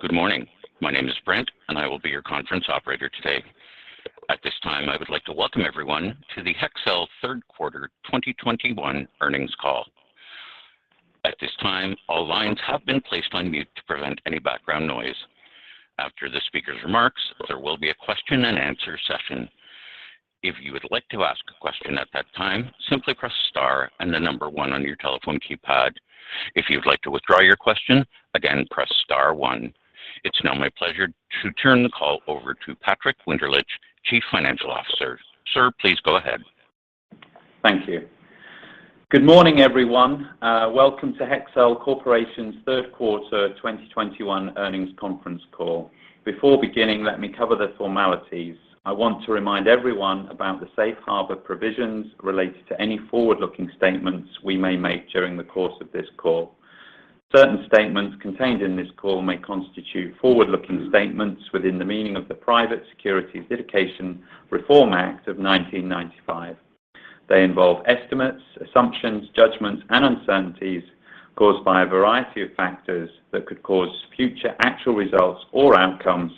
Good morning. My name is Brent, and I will be your conference operator today. At this time, I would like to welcome everyone to the Hexcel Third Quarter 2021 earnings call. At this time, all lines have been placed on mute to prevent any background noise. After the speaker's remarks, there will be a question and answer session. If you would like to ask a question at that time, simply press star and the number one on your telephone keypad. If you would like to withdraw your question, again, press star one. It's now my pleasure to turn the call over to Patrick Winterlich, Chief Financial Officer. Sir, please go ahead. Thank you. Good morning, everyone. Welcome to Hexcel Corporation's Third Quarter 2021 earnings conference call. Before beginning, let me cover the formalities. I want to remind everyone about the Safe Harbor provisions related to any forward-looking statements we may make during the course of this call. Certain statements contained in this call may constitute forward-looking statements within the meaning of the Private Securities Litigation Reform Act of 1995. They involve estimates, assumptions, judgments, and uncertainties caused by a variety of factors that could cause future actual results or outcomes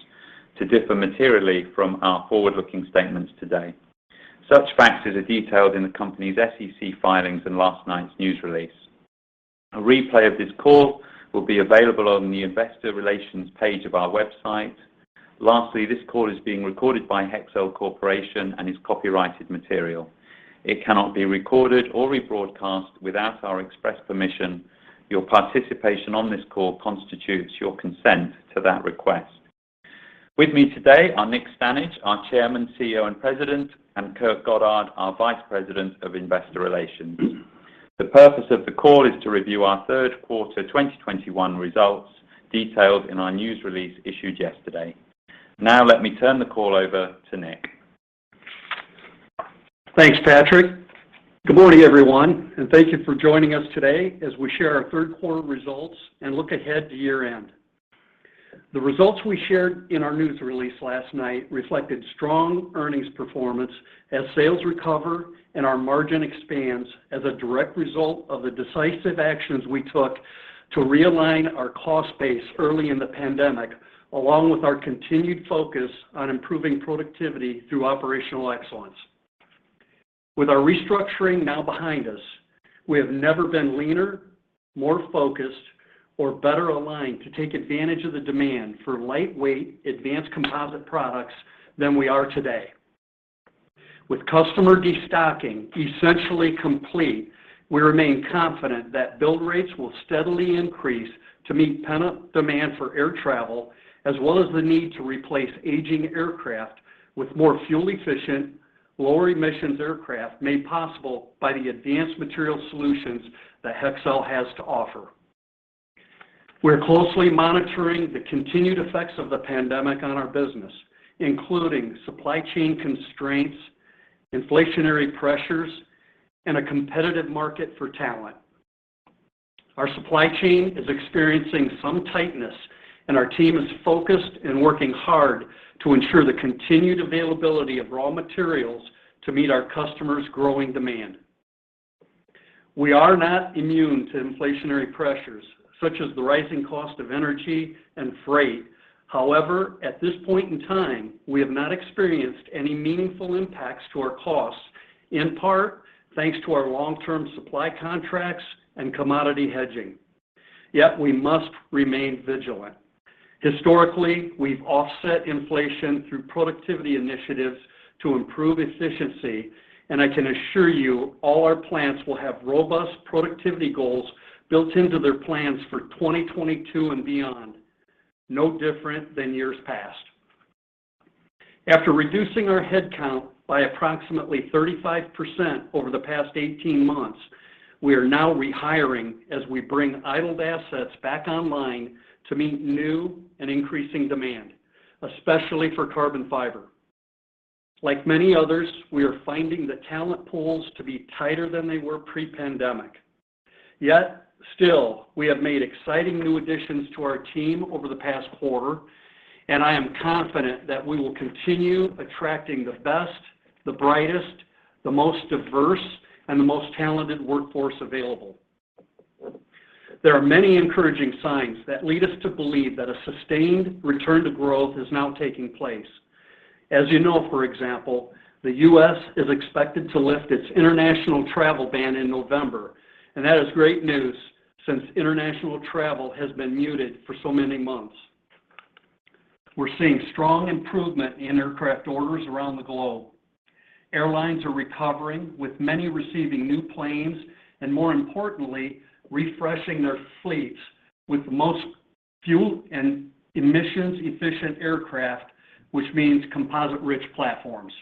to differ materially from our forward-looking statements today. Such factors are detailed in the company's SEC filings and last night's news release. A replay of this call will be available on the investor relations page of our website. Lastly, this call is being recorded by Hexcel Corporation and is copyrighted material. It cannot be recorded or rebroadcast without our express permission. Your participation on this call constitutes your consent to that request. With me today are Nick Stanage, our Chairman, Chief Executive Officer, and President, and Kurt Goddard, our Vice President of Investor Relations. The purpose of the call is to review our third quarter 2021 results detailed in our news release issued yesterday. Let me turn the call over to Nick. Thanks, Patrick. Good morning, everyone, and thank you for joining us today as we share our third quarter results and look ahead to year-end. The results we shared in our news release last night reflected strong earnings performance as sales recover and our margin expands as a direct result of the decisive actions we took to realign our cost base early in the pandemic, along with our continued focus on improving productivity through operational excellence. With our restructuring now behind us, we have never been leaner, more focused, or better aligned to take advantage of the demand for lightweight, advanced composite products than we are today. With customer destocking essentially complete, we remain confident that build rates will steadily increase to meet pent-up demand for air travel, as well as the need to replace aging aircraft with more fuel-efficient, lower-emissions aircraft made possible by the advanced material solutions that Hexcel has to offer. We are closely monitoring the continued effects of the pandemic on our business, including supply chain constraints, inflationary pressures, and a competitive market for talent. Our supply chain is experiencing some tightness, and our team is focused and working hard to ensure the continued availability of raw materials to meet our customers' growing demand. We are not immune to inflationary pressures, such as the rising cost of energy and freight. However, at this point in time, we have not experienced any meaningful impacts to our costs, in part thanks to our long-term supply contracts and commodity hedging. Yet, we must remain vigilant. Historically, we've offset inflation through productivity initiatives to improve efficiency, and I can assure you all our plants will have robust productivity goals built into their plans for 2022 and beyond, no different than years past. After reducing our headcount by approximately 35% over the past 18 months, we are now rehiring as we bring idled assets back online to meet new and increasing demand, especially for carbon fiber. Like many others, we are finding the talent pools to be tighter than they were pre-pandemic. We have made exciting new additions to our team over the past quarter, and I am confident that we will continue attracting the best, the brightest, the most diverse, and the most talented workforce available. There are many encouraging signs that lead us to believe that a sustained return to growth is now taking place. As you know, for example, the U.S. is expected to lift its international travel ban in November. That is great news since international travel has been muted for so many months. We are seeing strong improvement in aircraft orders around the globe. Airlines are recovering, with many receiving new planes and, more importantly, refreshing their fleets with the most fuel and emissions-efficient aircraft, which means composite-rich platforms.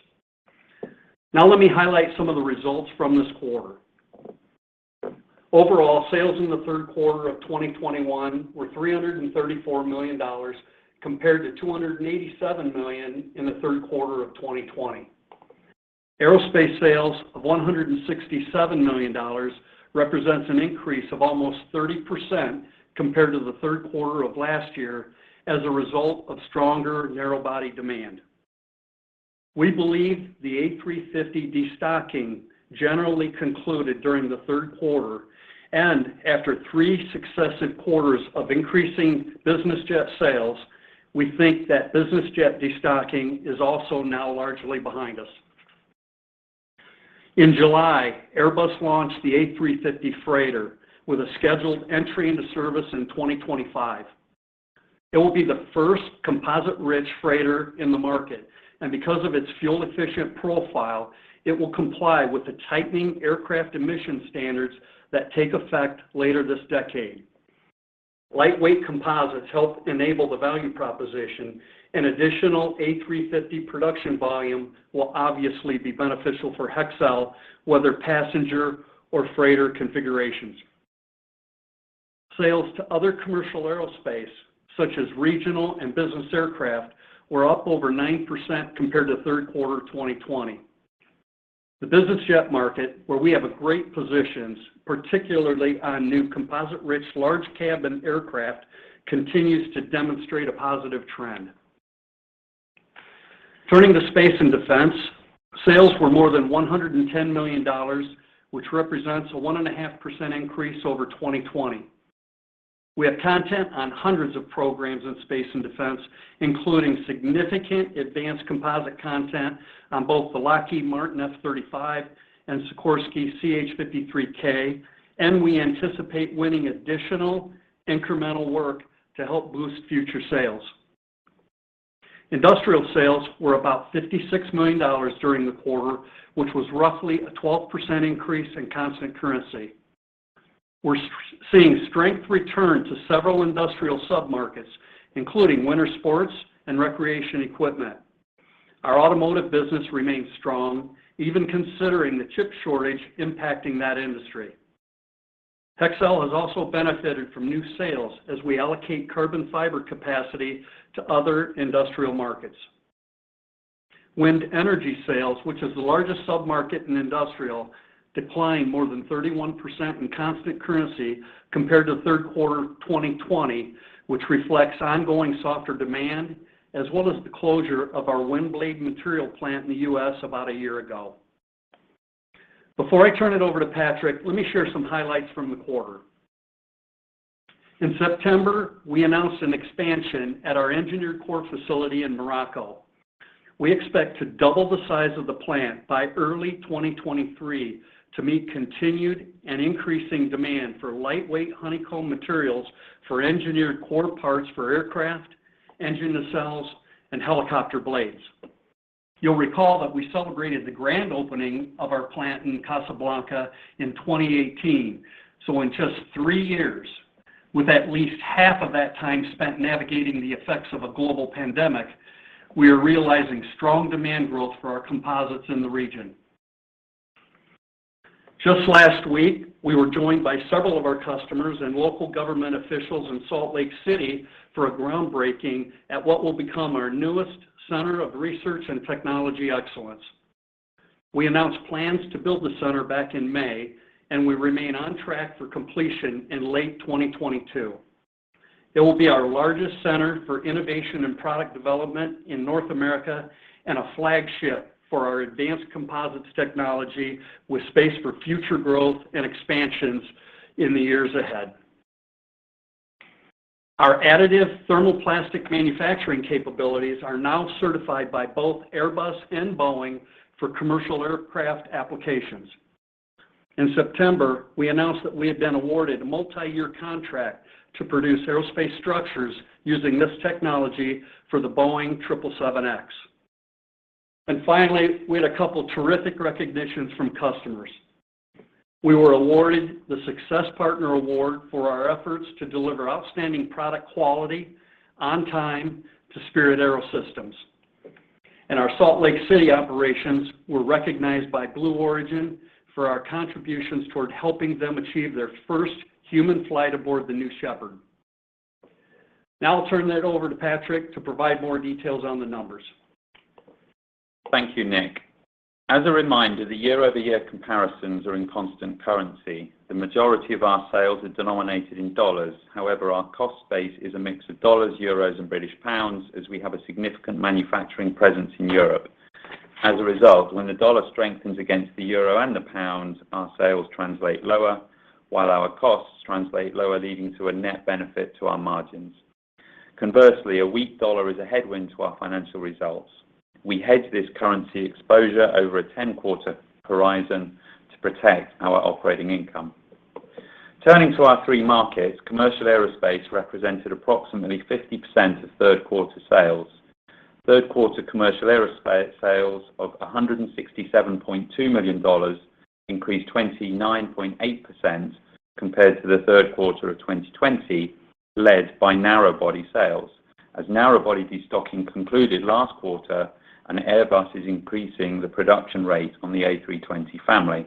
Let me highlight some of the results from this quarter. Overall, sales in the third quarter of 2021 were $334 million compared to $287 million in the third quarter of 2020. Aerospace sales of $167 million represents an increase of almost 30% compared to the third quarter of last year as a result of stronger narrow-body demand. We believe the A350 destocking generally concluded during the third quarter, and after three successive quarters of increasing business jet sales, we think that business jet destocking is also now largely behind us. In July, Airbus launched the A350 Freighter with a scheduled entry into service in 2025. It will be the first composite-rich freighter in the market, and because of its fuel-efficient profile, it will comply with the tightening aircraft emission standards that take effect later this decade. Lightweight composites help enable the value proposition, and additional A350 production volume will obviously be beneficial for Hexcel, whether passenger or freighter configurations. Sales to other commercial aerospace, such as regional and business aircraft, were up over 9% compared to third quarter 2020. The business jet market, where we have a great positions, particularly on new composite-rich large cabin aircraft, continues to demonstrate a positive trend. Turning to space and defense. Sales were more than $110 million, which represents a 1.5% increase over 2020. We have content on hundreds of programs in space and defense, including significant advanced composite content on both the Lockheed Martin F-35 and Sikorsky CH-53K, and we anticipate winning additional incremental work to help boost future sales. Industrial sales were about $56 million during the quarter, which was roughly a 12% increase in constant currency. We're seeing strength return to several industrial sub-markets, including winter sports and recreation equipment. Our automotive business remains strong, even considering the chip shortage impacting that industry. Hexcel has also benefited from new sales as we allocate carbon fiber capacity to other industrial markets. Wind energy sales, which is the largest sub-market in industrial, declined more than 31% in constant currency compared to third quarter 2020, which reflects ongoing softer demand, as well as the closure of our wind blade material plant in the U.S. about a year ago. Before I turn it over to Patrick, let me share some highlights from the quarter. In September, we announced an expansion at our engineered core facility in Morocco. We expect to double the size of the plant by early 2023 to meet continued and increasing demand for lightweight honeycomb materials for engineered core parts for aircraft, engine nacelles, and helicopter blades. You'll recall that we celebrated the grand opening of our plant in Casablanca in 2018, so in just three years, with at least half of that time spent navigating the effects of a global pandemic, we are realizing strong demand growth for our composites in the region. Just last week, we were joined by several of our customers and local government officials in Salt Lake City for a groundbreaking at what will become our newest center of research and technology excellence. We announced plans to build the center back in May, and we remain on track for completion in late 2022. It will be our largest center for innovation and product development in North America and a flagship for our advanced composites technology with space for future growth and expansions in the years ahead. Our additive thermoplastic manufacturing capabilities are now certified by both Airbus and Boeing for commercial aircraft applications. In September, we announced that we had been awarded a multi-year contract to produce aerospace structures using this technology for the Boeing 777X. Finally, we had a couple terrific recognitions from customers. We were awarded the Success Partner Award for our efforts to deliver outstanding product quality on time to Spirit AeroSystems. Our Salt Lake City operations were recognized by Blue Origin for our contributions toward helping them achieve their first human flight aboard the New Shepard. I'll turn it over to Patrick to provide more details on the numbers. Thank you, Nick. As a reminder, the year-over-year comparisons are in constant currency. The majority of our sales are denominated in dollars. However, our cost base is a mix of dollars, Euros, and British pounds, as we have a significant manufacturing presence in Europe. As a result, when the dollar strengthens against the euro and the pound, our sales translate lower, while our costs translate lower, leading to a net benefit to our margins. Conversely, a weak dollar is a headwind to our financial results. We hedge this currency exposure over a 10-quarter horizon to protect our operating income. Turning to our three markets, commercial aerospace represented approximately 50% of third quarter sales. Third quarter commercial aerospace sales of $167.2 million increased 29.8% compared to the third quarter of 2020, led by narrow-body sales as narrow-body destocking concluded last quarter. Airbus is increasing the production rate on the A320 family.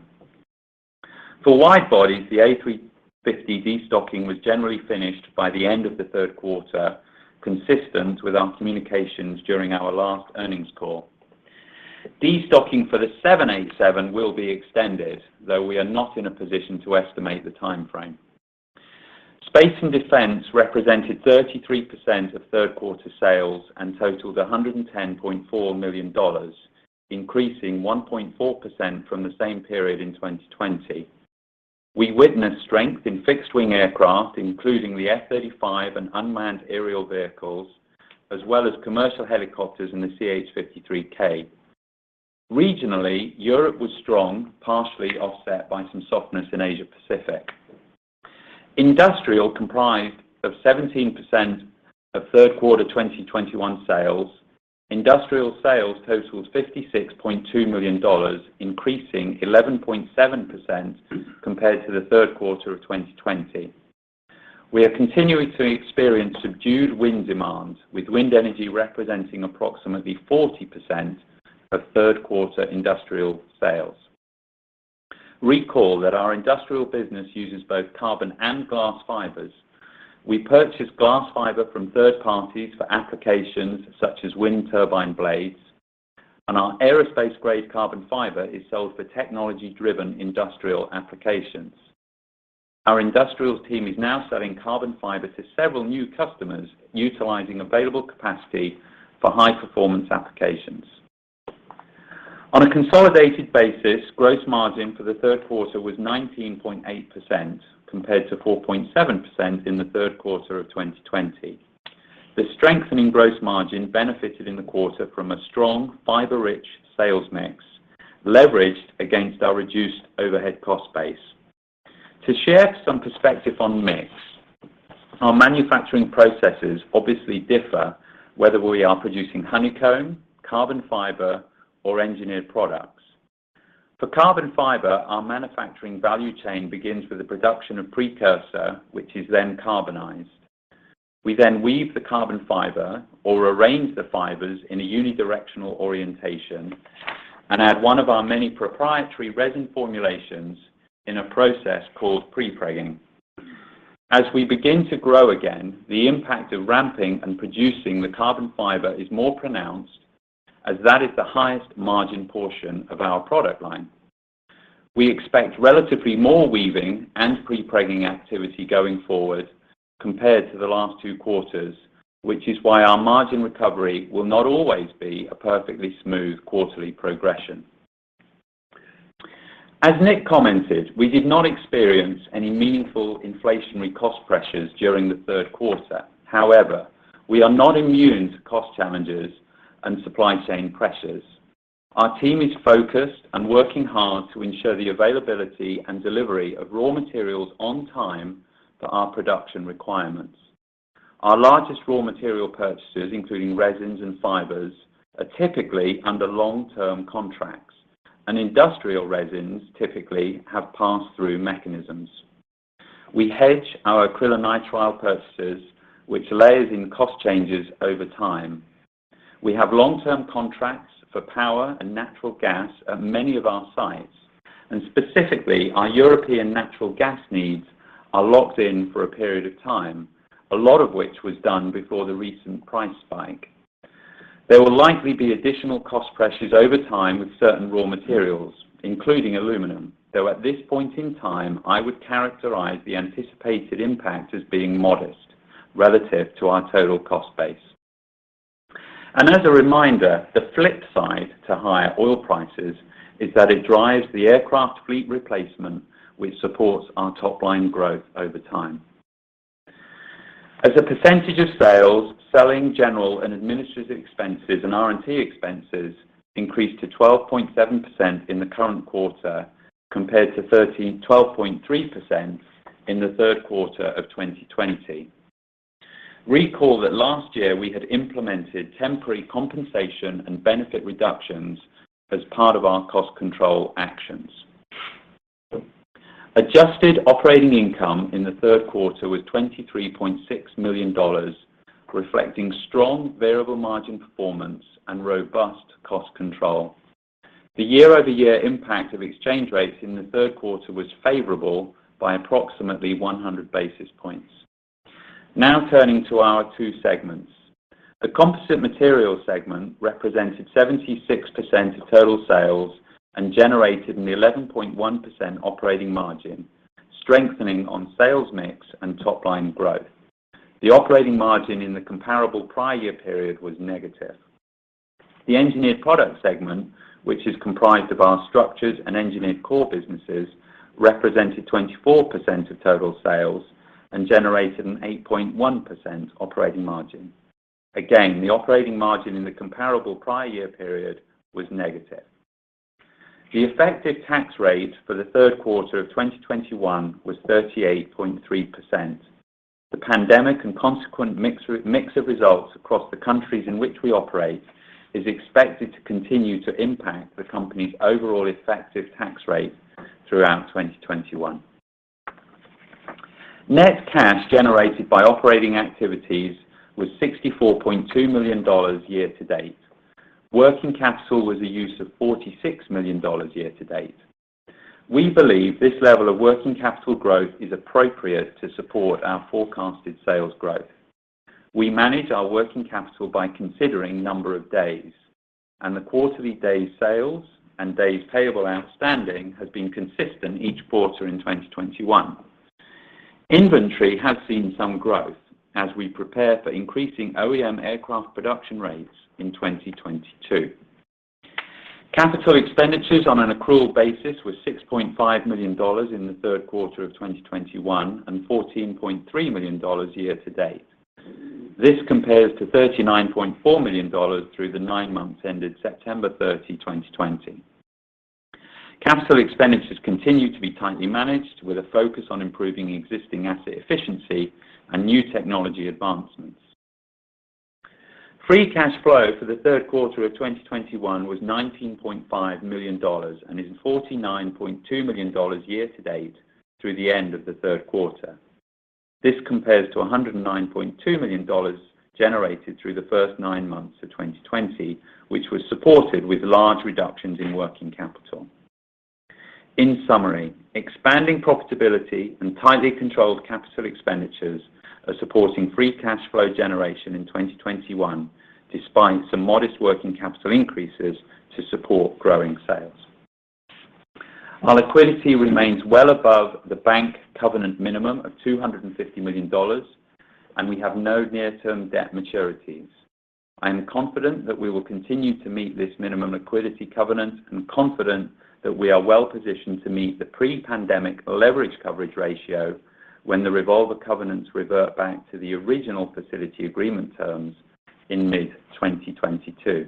For wide bodies, the A350 destocking was generally finished by the end of the third quarter, consistent with our communications during our last earnings call. Though we are not in a position to estimate the timeframe, destocking for the 787 will be extended. Space and defense represented 33% of third quarter sales and totaled $110.4 million, increasing 1.4% from the same period in 2020. We witnessed strength in fixed-wing aircraft, including the F-35 and unmanned aerial vehicles, as well as commercial helicopters and the CH-53K. Regionally, Europe was strong, partially offset by some softness in Asia Pacific. Industrial comprised 17% of third quarter 2021 sales. Industrial sales totaled $56.2 million, increasing 11.7% compared to the third quarter of 2020. We are continuing to experience subdued wind demand, with wind energy representing approximately 40% of third quarter industrial sales. Recall that our industrial business uses both carbon and glass fibers. We purchase glass fiber from third parties for applications such as wind turbine blades, and our aerospace grade carbon fiber is sold for technology-driven industrial applications. Our industrials team is now selling carbon fiber to several new customers, utilizing available capacity for high performance applications. On a consolidated basis, gross margin for the third quarter was 19.8%, compared to 4.7% in the third quarter of 2020. The strengthening gross margin benefited in the quarter from a strong fiber-rich sales mix, leveraged against our reduced overhead cost base. To share some perspective on mix, our manufacturing processes obviously differ whether we are producing honeycomb, carbon fiber, or engineered products. For carbon fiber, our manufacturing value chain begins with the production of precursor, which is then carbonized. We then weave the carbon fiber or arrange the fibers in a unidirectional orientation and add one of our many proprietary resin formulations in a process called prepregging. As we begin to grow again, the impact of ramping and producing the carbon fiber is more pronounced as that is the highest margin portion of our product line. We expect relatively more weaving and prepregging activity going forward compared to the last two quarters, which is why our margin recovery will not always be a perfectly smooth quarterly progression. As Nick commented, we did not experience any meaningful inflationary cost pressures during the third quarter. However, we are not immune to cost challenges and supply chain pressures. Our team is focused and working hard to ensure the availability and delivery of raw materials on time for our production requirements. Our largest raw material purchases, including resins and fibers, are typically under long-term contracts, and industrial resins typically have pass-through mechanisms. We hedge our acrylonitrile purchases, which layers in cost changes over time. We have long-term contracts for power and natural gas at many of our sites, and specifically, our European natural gas needs are locked in for a period of time, a lot of which was done before the recent price spike. There will likely be additional cost pressures over time with certain raw materials, including aluminum, though at this point in time, I would characterize the anticipated impact as being modest relative to our total cost base. As a reminder, the flip side to higher oil prices is that it drives the aircraft fleet replacement, which supports our top-line growth over time. As a percentages sales, selling, general and administrative expenses and R&T expenses increased to 12.7% in the current quarter compared to 12.3% in the third quarter of 2020. Recall that last year we had implemented temporary compensation and benefit reductions as part of our cost control actions. Adjusted operating income in the third quarter was $23.6 million, reflecting strong variable margin performance and robust cost control. The year-over-year impact of exchange rates in the third quarter was favorable by approximately 100 basis points. Turning to our two segments. The Composite Materials segment represented 76% of total sales and generated an 11.1% operating margin, strengthening on sales mix and top-line growth. The operating margin in the comparable prior year period was negative. The engineered product segment, which is comprised of our structures and engineered core businesses, represented 24% of total sales and generated an 8.1% operating margin. Again, the operating margin in the comparable prior year period was negative. The effective tax rate for the third quarter of 2021 was 38.3%. The pandemic and consequent mix of results across the countries in which we operate is expected to continue to impact the company's overall effective tax rate throughout 2021. Net cash generated by operating activities was $64.2 million year to date. Working capital was a use of $46 million year to date. We believe this level of working capital growth is appropriate to support our forecasted sales growth. We manage our working capital by considering number of days, and the quarterly days sales and days payable outstanding has been consistent each quarter in 2021. Inventory has seen some growth as we prepare for increasing OEM aircraft production rates in 2022. Capital expenditures on an accrual basis were $6.5 million in the third quarter of 2021, and $14.3 million year to date. This compares to $39.4 million through the nine months ended September 30, 2020. Capital expenditures continue to be tightly managed with a focus on improving existing asset efficiency and new technology advancements. Free cash flow for the third quarter of 2021 was $19.5 million and is $49.2 million year to date through the end of the third quarter. This compares to $109.2 million generated through the first nine months of 2020, which was supported with large reductions in working capital. In summary, expanding profitability and tightly controlled capital expenditures are supporting free cash flow generation in 2021, despite some modest working capital increases to support growing sales. Our liquidity remains well above the bank covenant minimum of $250 million. We have no near-term debt maturities. I am confident that we will continue to meet this minimum liquidity covenant and confident that we are well-positioned to meet the pre-pandemic leverage coverage ratio when the revolver covenants revert back to the original facility agreement terms in mid-2022.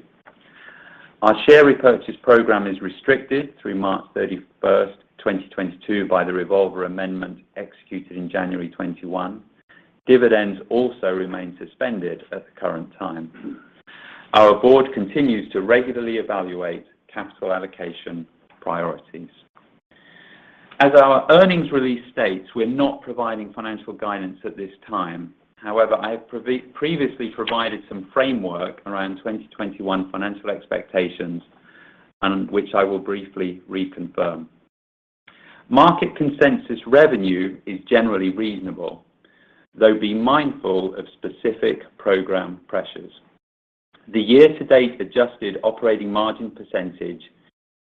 Our share repurchase program is restricted through March 31st, 2022, by the revolver amendment executed in January 2021. Dividends also remain suspended at the current time. Our board continues to regularly evaluate capital allocation priorities. As our earnings release states, we're not providing financial guidance at this time. I have previously provided some framework around 2021 financial expectations, and which I will briefly reconfirm. Market consensus revenue is generally reasonable, though be mindful of specific program pressures. The year-to-date adjusted operating margin percentage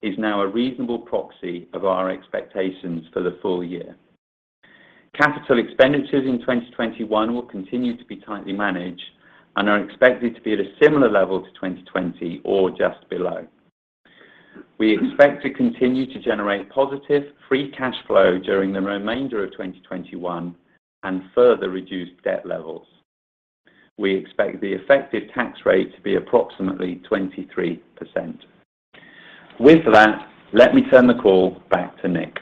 is now a reasonable proxy of our expectations for the full year. Capital expenditures in 2021 will continue to be tightly managed and are expected to be at a similar level to 2020 or just below. We expect to continue to generate positive free cash flow during the remainder of 2021 and further reduce debt levels. We expect the effective tax rate to be approximately 23%. With that, let me turn the call back to Nick.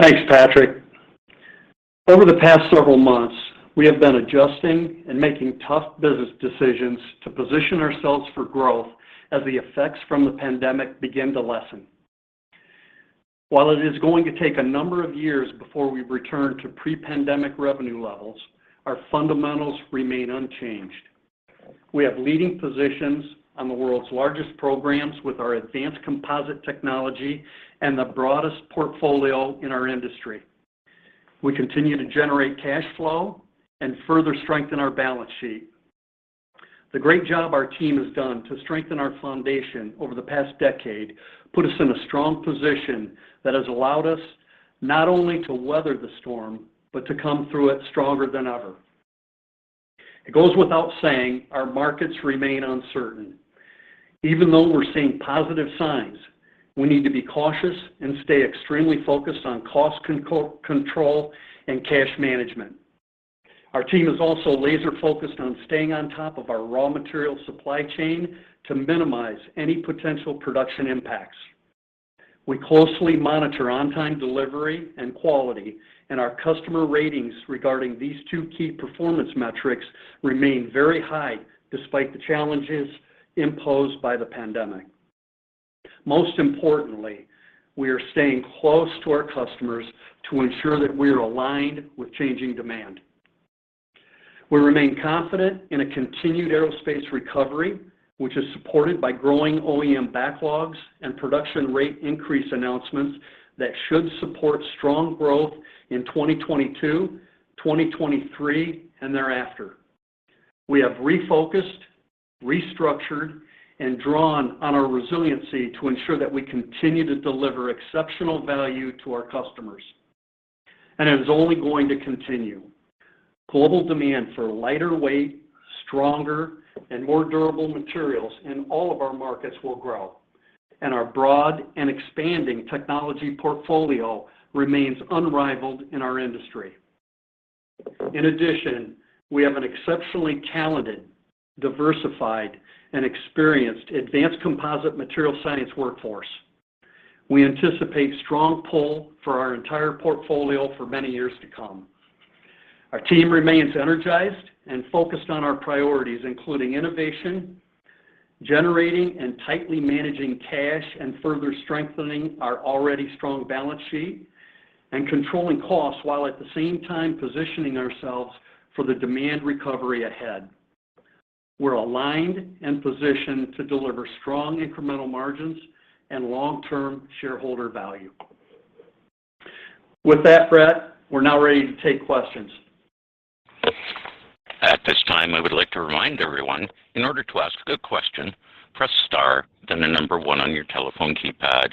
Thanks, Patrick. Over the past several months, we have been adjusting and making tough business decisions to position ourselves for growth as the effects from the pandemic begin to lessen. While it is going to take a number of years before we return to pre-pandemic revenue levels, our fundamentals remain unchanged. We have leading positions on the world's largest programs with our advanced composite technology and the broadest portfolio in our industry. We continue to generate cash flow and further strengthen our balance sheet. The great job our team has done to strengthen our foundation over the past decade put us in a strong position that has allowed us not only to weather the storm, but to come through it stronger than ever. It goes without saying, our markets remain uncertain. Even though we're seeing positive signs, we need to be cautious and stay extremely focused on cost control and cash management. Our team is also laser-focused on staying on top of our raw material supply chain to minimize any potential production impacts. We closely monitor on-time delivery and quality, and our customer ratings regarding these two key performance metrics remain very high despite the challenges imposed by the pandemic. Most importantly, we are staying close to our customers to ensure that we are aligned with changing demand. We remain confident in a continued aerospace recovery, which is supported by growing OEM backlogs and production rate increase announcements that should support strong growth in 2022, 2023, and thereafter. We have refocused, restructured, and drawn on our resiliency to ensure that we continue to deliver exceptional value to our customers, and it is only going to continue. Global demand for lighter weight, stronger, and more durable materials in all of our markets will grow, and our broad and expanding technology portfolio remains unrivaled in our industry. In addition, we have an exceptionally talented, diversified, and experienced advanced composite material science workforce. We anticipate strong pull for our entire portfolio for many years to come. Our team remains energized and focused on our priorities, including innovation, generating and tightly managing cash, and further strengthening our already strong balance sheet, and controlling costs while at the same time positioning ourselves for the demand recovery ahead. We're aligned and positioned to deliver strong incremental margins and long-term shareholder value. With that, Brent, we're now ready to take questions. At this time, I would like to remind everyone, in order to ask a question, press star, then the number one on your telephone keypad.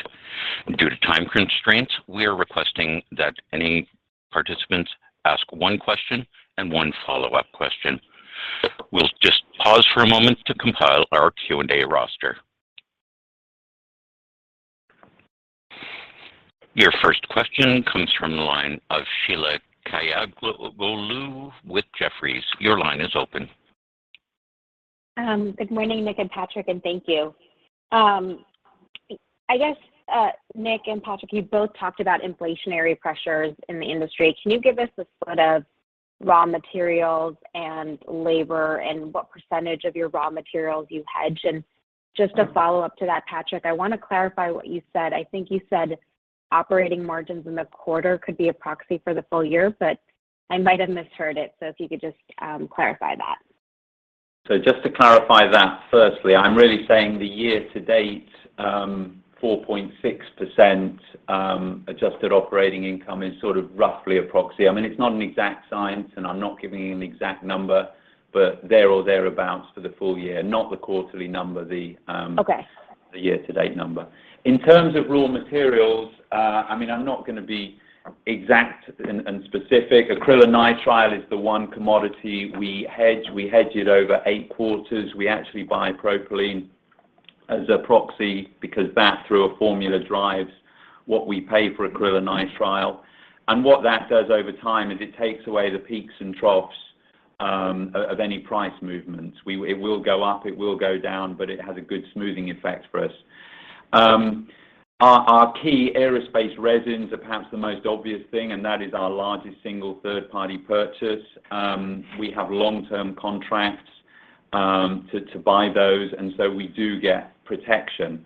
Due to time constraints, we are requesting that any participants ask one question and one follow-up question. We'll just pause for a moment to compile our Q&A roster. Your first question comes from the line of Sheila Kahyaoglu with Jefferies. Your line is open. Good morning, Nick and Patrick, thank you. I guess, Nick and Patrick, you both talked about inflationary pressures in the industry. Can you give us a sort of raw materials and labor, and what percentage of your raw materials you hedge? Just a follow-up to that, Patrick, I want to clarify what you said. I think you said operating margins in the quarter could be a proxy for the full year, but I might have misheard it. If you could just clarify that. Just to clarify that firstly, I'm really saying the year-to-date, 4.6% adjusted operating income is sort of roughly a proxy. It's not an exact science, and I'm not giving you an exact number, but there or thereabouts for the full year, not the quarterly number. Okay The year-to-date number. In terms of raw materials, I'm not going to be exact and specific. acrylonitrile is the one commodity we hedge. We hedge it over eight quarters. We actually buy propylene as a proxy because that, through a formula, drives what we pay for acrylonitrile. What that does over time is it takes away the peaks and troughs of any price movements. It will go up, it will go down, but it has a good smoothing effect for us. Our key aerospace resins are perhaps the most obvious thing, and that is our largest single third-party purchase. We have long-term contracts to buy those, and so we do get protection.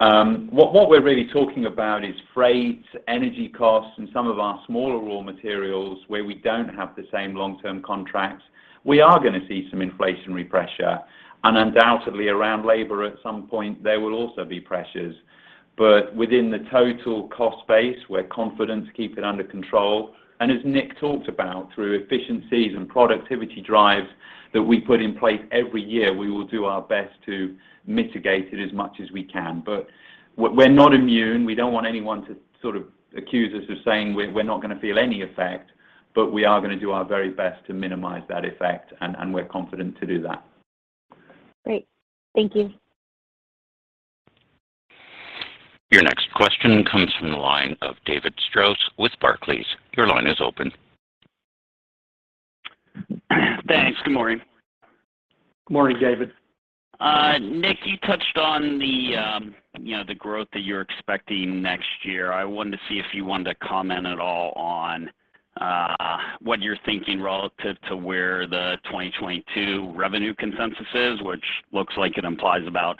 What we're really talking about is freight, energy costs, and some of our smaller raw materials, where we don't have the same long-term contracts. We are going to see some inflationary pressure, undoubtedly around labor at some point, there will also be pressures. Within the total cost base, we're confident to keep it under control. As Nick talked about, through efficiencies and productivity drives that we put in place every year, we will do our best to mitigate it as much as we can. We're not immune. We don't want anyone to sort of accuse us of saying we're not going to feel any effect, but we are going to do our very best to minimize that effect, and we're confident to do that. Great. Thank you. Your next question comes from the line of David Strauss with Barclays. Your line is open. Thanks. Good morning. Good morning, David. Nick, you touched on the growth that you're expecting next year. I wanted to see if you wanted to comment at all on what you're thinking relative to where the 2022 revenue consensus is, which looks like it implies about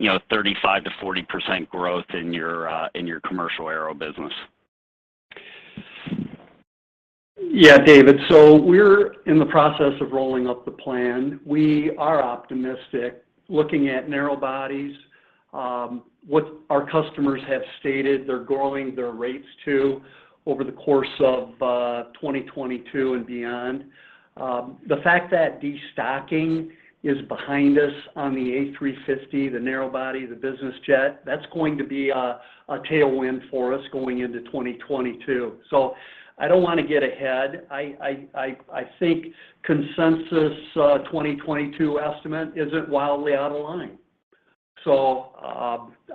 35%-40% growth in your commercial aero business. David. We're in the process of rolling up the plan. We are optimistic looking at narrow bodies, what our customers have stated they're growing their rates to over the course of 2022 and beyond. The fact that destocking is behind us on the A350, the narrow body, the business jet, that's going to be a tailwind for us going into 2022. I don't want to get ahead. I think consensus 2022 estimate isn't wildly out of line.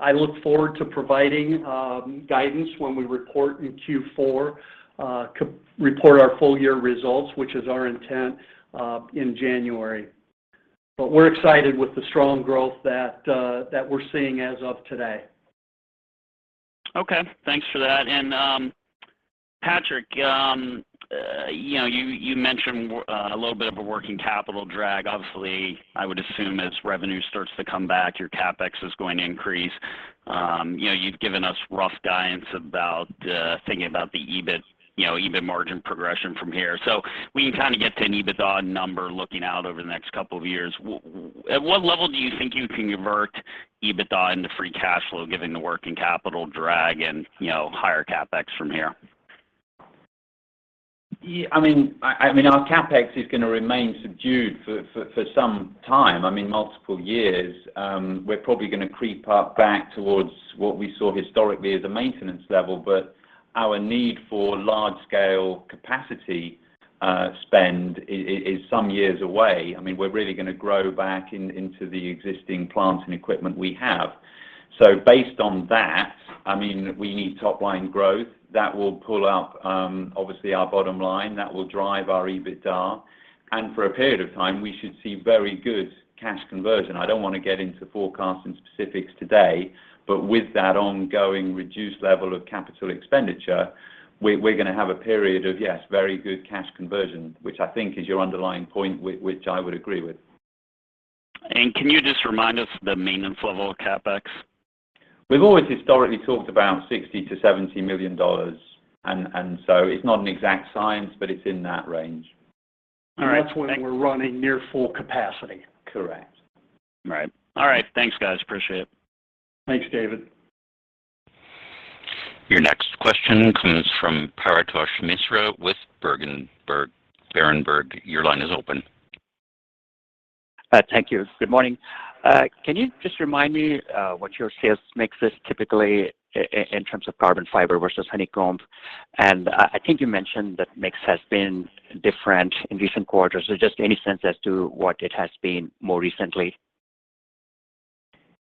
I look forward to providing guidance when we report in Q4, report our full-year results, which is our intent, in January. We're excited with the strong growth that we're seeing as of today. Patrick, you mentioned a little bit of a working capital drag. Obviously, I would assume as revenue starts to come back, your CapEx is going to increase. You've given us rough guidance about thinking about the EBIT margin progression from here. We can kind of get to an EBITDA number looking out over the next couple of years. At what level do you think you can convert EBITDA into free cash flow given the working capital drag and higher CapEx from here? Our CapEx is going to remain subdued for some time, multiple years. We're probably going to creep up back towards what we saw historically as a maintenance level. Our need for large-scale capacity spend is some years away. We're really going to grow back into the existing plant and equipment we have. Based on that, we need top-line growth. That will pull up obviously our bottom line. That will drive our EBITDA. For a period of time, we should see very good cash conversion. I don't want to get into forecasting specifics today, but with that ongoing reduced level of capital expenditure, we're going to have a period of yes, very good cash conversion, which I think is your underlying point, which I would agree with. Can you just remind us the maintenance level of CapEx? We've always historically talked about $60 million-$70 million. It's not an exact science, but it's in that range. That's when we're running near full capacity. Correct. Right. All right. Thanks, guys. Appreciate it. Thanks, David. Your next question comes from Paretosh Misra with Berenberg. Your line is open. Thank you. Good morning. Can you just remind me what your sales mix is typically in terms of carbon fiber versus honeycomb? I think you mentioned that mix has been different in recent quarters. Just any sense as to what it has been more recently?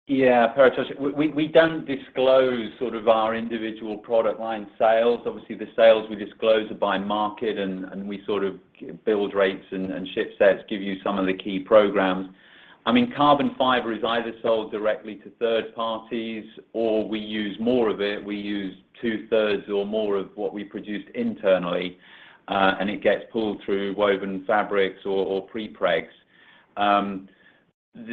Yeah, Paretosh. We don't disclose our individual product line sales. Obviously, the sales we disclose are by market, and we sort of build rates and ship sets, give you some of the key programs. Carbon fiber is either sold directly to third parties or we use more of it. We use 2/3 or more of what we produce internally, and it gets pulled through woven fabrics or prepregs.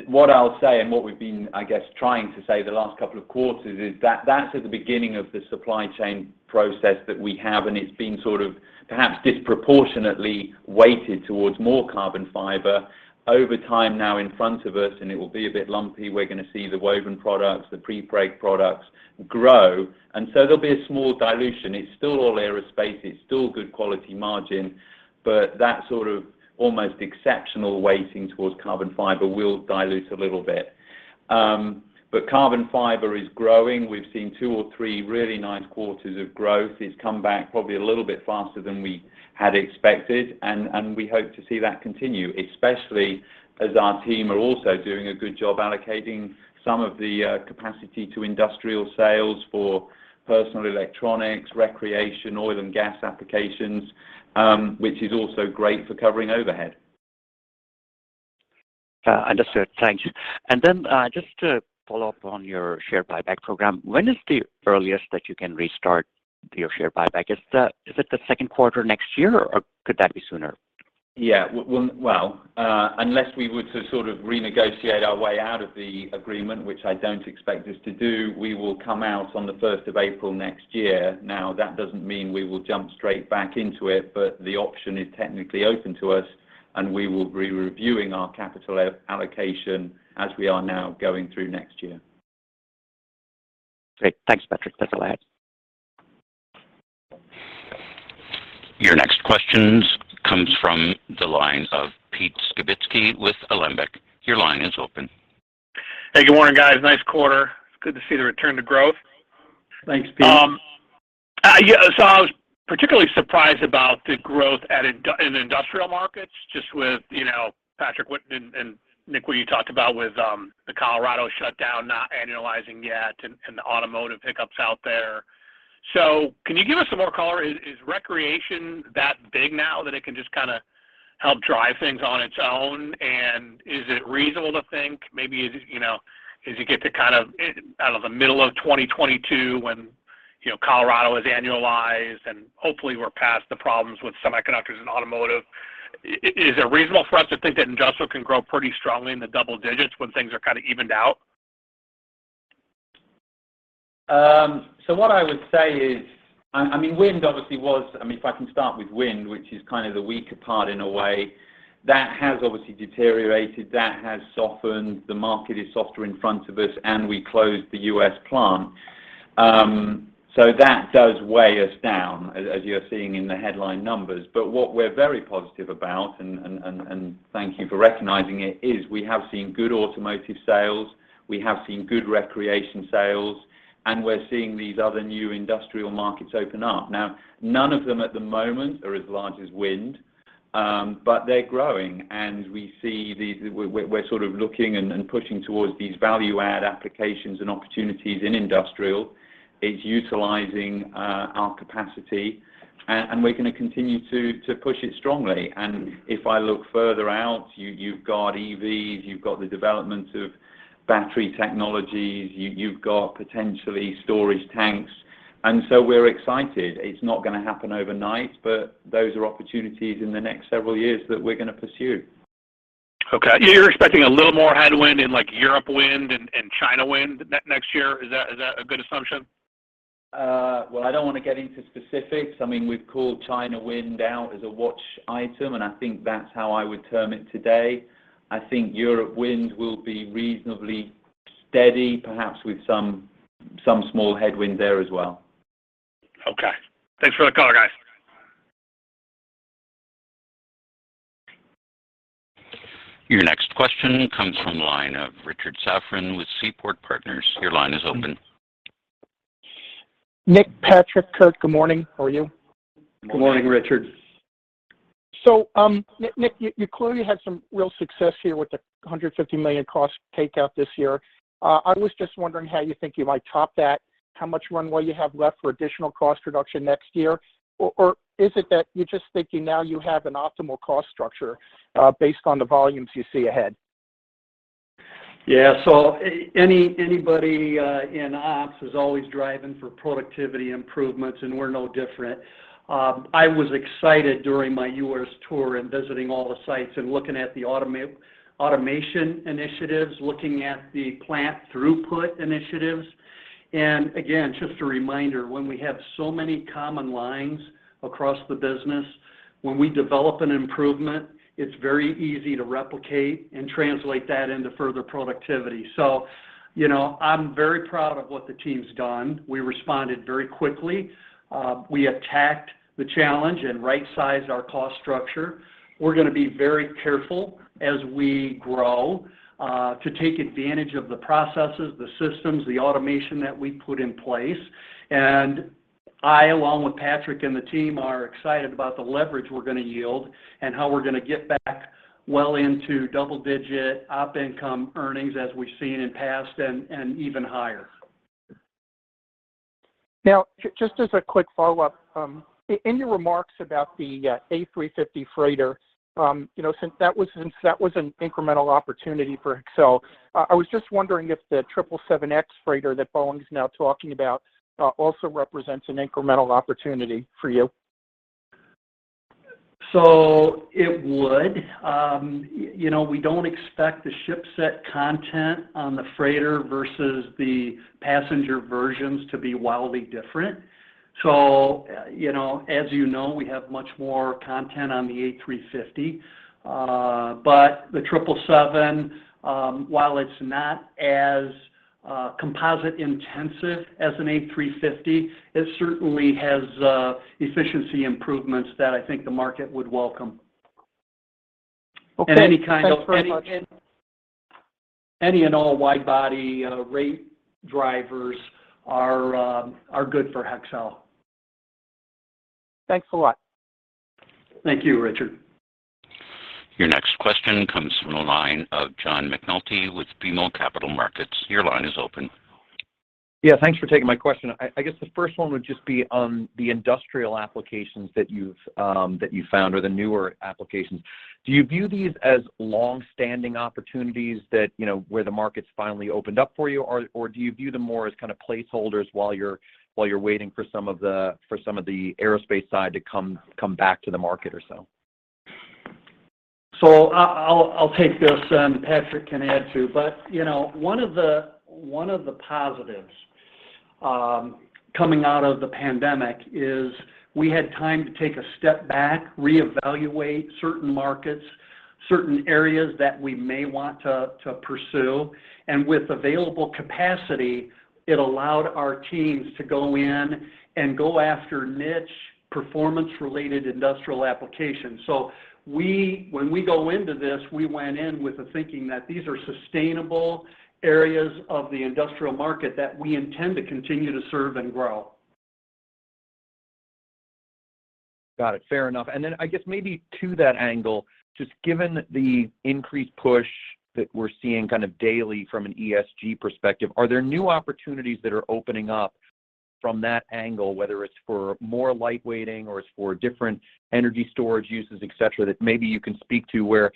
What I'll say and what we've been, I guess, trying to say the last couple of quarters is that that's at the beginning of the supply chain process that we have, and it's been sort of perhaps disproportionately weighted towards more Carbon fiber over time now in front of us, and it will be a bit lumpy. We're going to see the woven products, the prepreg products grow, and so there'll be a small dilution. It's still all aerospace. It's still good quality margin, but that sort of almost exceptional weighting towards carbon fiber will dilute a little bit. Carbon fiber is growing. We've seen two or three really nice quarters of growth. It's come back probably a little bit faster than we had expected, and we hope to see that continue, especially as our team are also doing a good job allocating some of the capacity to industrial sales for personal electronics, recreation, oil and gas applications, which is also great for covering overhead. Understood. Thank you. Just to follow up on your share buyback program, when is the earliest that you can restart your share buyback? Is it the second quarter next year, or could that be sooner? Yeah. Well, unless we were to sort of renegotiate our way out of the agreement, which I don't expect us to do, we will come out on the 1st of April next year. Now, that doesn't mean we will jump straight back into it, but the option is technically open to us, and we will be reviewing our capital allocation as we are now going through next year. Great. Thanks, Patrick. That's all I had. Your next questions comes from the line of Peter Skibitski with Alembic. Your line is open. Hey, good morning, guys. Nice quarter. It's good to see the return to growth. Thanks, Peter. I was particularly surprised about the growth in industrial markets, just with Patrick and Nick, what you talked about with the Colorado shutdown not annualizing yet and the automotive pickups out there. Can you give us some more color? Is recreation that big now that it can just kind of help drive things on its own? Is it reasonable to think maybe as you get to kind of out of the middle of 2022, when Colorado is annualized and hopefully we're past the problems with semiconductors and automotive, is it reasonable for us to think that industrial can grow pretty strongly in the double digits when things are kind of evened out? What I would say is, if I can start with wind, which is kind of the weaker part in a way, that has obviously deteriorated, that has softened. The market is softer in front of us, and we closed the U.S. plant. That does weigh us down, as you're seeing in the headline numbers. What we're very positive about, and thank you for recognizing it, is we have seen good automotive sales, we have seen good recreation sales, and we're seeing these other new industrial markets open up. Now, none of them at the moment are as large as wind, but they're growing, and we're sort of looking and pushing towards these value-add applications and opportunities in industrial. It's utilizing our capacity, and we're going to continue to push it strongly. If I look further out, you've got EVs, you've got the development of battery technologies, you've got potentially storage tanks. We're excited. It's not going to happen overnight, but those are opportunities in the next several years that we're going to pursue. Okay. You're expecting a little more headwind in Europe wind and China wind next year. Is that a good assumption? Well, I don't want to get into specifics. We've called China wind out as a watch item. I think that's how I would term it today. I think Europe wind will be reasonably steady, perhaps with some small headwind there as well. Okay. Thanks for the color, guys. Your next question comes from the line of Richard Safran with Seaport Partners. Your line is open. Nick, Patrick, Kurt, good morning. How are you? Good morning. Good morning, Richard. Nick, you clearly had some real success here with the $150 million cost takeout this year. I was just wondering how you think you might top that, how much runway you have left for additional cost reduction next year. Is it that you're just thinking now you have an optimal cost structure based on the volumes you see ahead? Yeah. Anybody in ops is always driving for productivity improvements, and we're no different. I was excited during my U.S. tour and visiting all the sites and looking at the automation initiatives, looking at the plant throughput initiatives. Again, just a reminder, when we have so many common lines across the business, when we develop an improvement, it's very easy to replicate and translate that into further productivity. I'm very proud of what the team's done. We responded very quickly. We attacked the challenge and right-sized our cost structure. We're going to be very careful as we grow, to take advantage of the processes, the systems, the automation that we put in place. I, along with Patrick and the team, are excited about the leverage we're going to yield and how we're going to get back well into double-digit op income earnings as we've seen in past, and even higher. Now, just as a quick follow-up, in your remarks about the A350 freighter, since that was an incremental opportunity for Hexcel, I was just wondering if the 777X Freighter that Boeing's now talking about also represents an incremental opportunity for you? It would. We don't expect the ship set content on the freighter versus the passenger versions to be wildly different. As you know, we have much more content on the A350. The 777X, while it's not as composite intensive as an A350, it certainly has efficiency improvements that I think the market would welcome. Okay. Thanks very much. Any and all wide body rate drivers are good for Hexcel. Thanks a lot. Thank you, Richard. Your next question comes from the line of John McNulty with BMO Capital Markets. Your line is open. Yeah, thanks for taking my question. I guess the first one would just be on the industrial applications that you've found or the newer applications. Do you view these as longstanding opportunities where the market's finally opened up for you? Do you view them more as kind of placeholders while you're waiting for some of the aerospace side to come back to the market or so? I'll take this, and Patrick can add, too. One of the positives coming out of the pandemic is we had time to take a step back, reevaluate certain markets, certain areas that we may want to pursue. With available capacity, it allowed our teams to go in and go after niche performance-related industrial applications. When we go into this, we went in with the thinking that these are sustainable areas of the industrial market that we intend to continue to serve and grow. Got it. Fair enough. I guess maybe to that angle, just given the increased push that we're seeing kind of daily from an ESG perspective, are there new opportunities that are opening up from that angle, whether it's for more lightweighting or it's for different energy storage uses, et cetera, that maybe you can speak to where,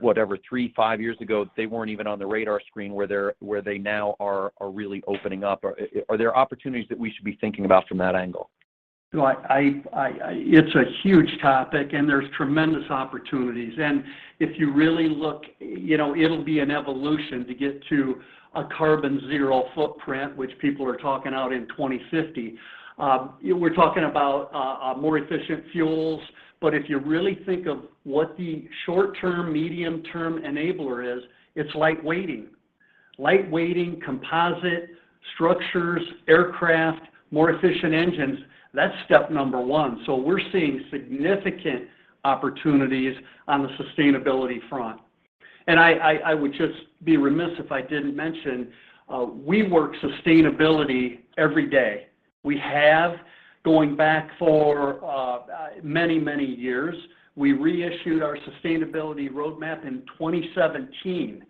whatever, three, five years ago, they weren't even on the radar screen, where they now are really opening up? Are there opportunities that we should be thinking about from that angle? It's a huge topic. There's tremendous opportunities. If you really look, it'll be an evolution to get to a carbon zero footprint, which people are talking out in 2050. We're talking about more efficient fuels. If you really think of what the short-term, medium-term enabler is, it's lightweighting. Lightweighting, composite structures, aircraft, more efficient engines. That's Step 1. We're seeing significant opportunities on the sustainability front. I would just be remiss if I didn't mention, we work sustainability every day. We have, going back for many, many years. We reissued our sustainability roadmap in 2017.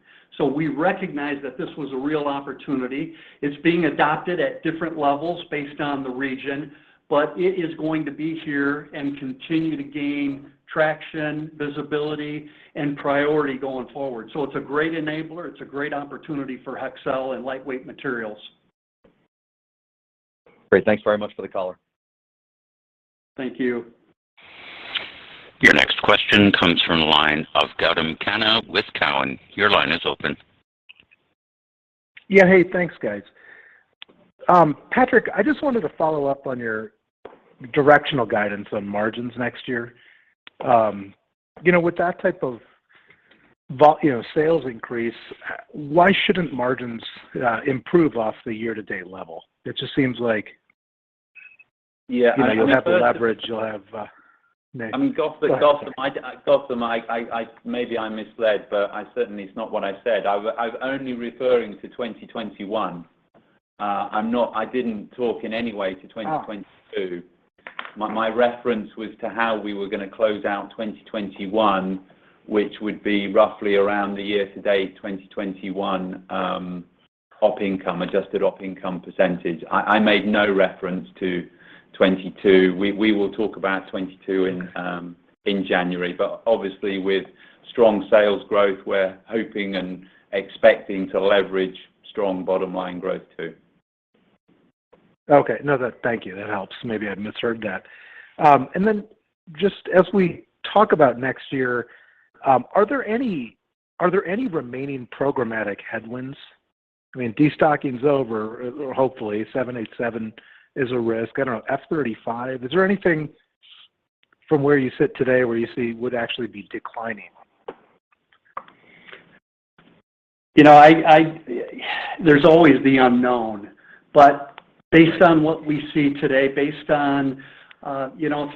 We recognized that this was a real opportunity. It's being adopted at different levels based on the region. It is going to be here and continue to gain traction, visibility, and priority going forward. It's a great enabler. It's a great opportunity for Hexcel and lightweight materials. Great. Thanks very much for the color. Thank you. Your next question comes from the line of Gautam Khanna with Cowen. Your line is open. Yeah. Hey, thanks, guys. Patrick, I just wanted to follow up on your directional guidance on margins next year. With that type of sales increase, why shouldn't margins improve off the year-to-date level? Yeah, I mean- You'll have the leverage. Gautam, maybe I misled, certainly, it's not what I said. I was only referring to 2021. I didn't talk in any way to 2022. My reference was to how we were going to close out 2021, which would be roughly around the year-to-date 2021 operating income, adjusted operating income percentage. I made no reference to 2022. We will talk about 2022 in January, but obviously with strong sales growth, we're hoping and expecting to leverage strong bottom line growth, too. Okay. No, thank you. That helps. Maybe I misheard that. Just as we talk about next year, are there any remaining programmatic headwinds? I mean, destocking's over, or hopefully. 787 is a risk. I don't know, F-35. Is there anything from where you sit today where you see would actually be declining? There's always the unknown, but based on what we see today, if